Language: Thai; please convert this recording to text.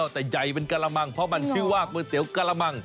แต่ใหญ่เป็นกะละมังเพราะมันชื่อว่าก๋วยเตี๋ยวกระมัง